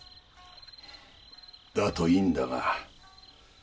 だといいんだが。